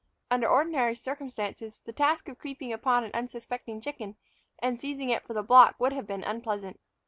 Under ordinary circumstances, the task of creeping upon an unsuspecting chicken and seizing it for the block would have been unpleasant.